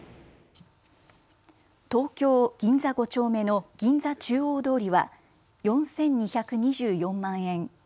東京銀座５丁目の銀座中央通りは４２２４万円。